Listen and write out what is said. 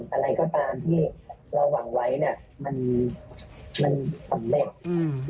อะไรก็ตามที่เราหวังไว้มันสำเร็จ